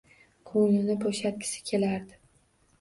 Koʼnglini boʼshatgisi kelardi.